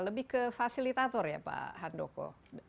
lebih ke fasilitator ya pak handoko